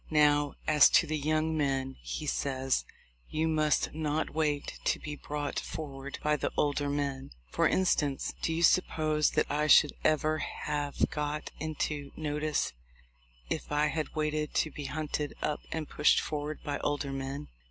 "Now, as to the young men," he says, "you must not wait to be brought forward by the older men. For instance, do you suppose that I should ever have got into notice if I had waited to be hunted up and pushed forward by older men?